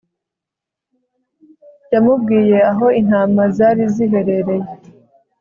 yamubwiyeaho intama zari ziherereye